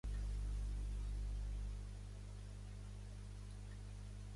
Santa Cecília clara, tot l'Advent emborbollada.